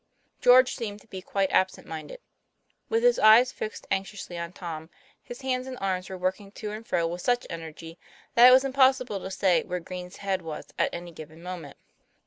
George seemed to be quite absent minded. With his eyes fixed anxiously on Tom, his hands and arms were working to and fro with such energy that it was impossible to say where Green's head was at any given moment.